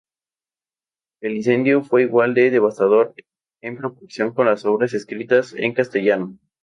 El incendio fue igual de devastador, en proporción, con las obras escritas en castellano.